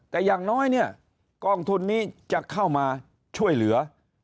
แต่อย่างน้อยเนี่ยกองทุนนี้จะเข้ามาช่วยเหลือ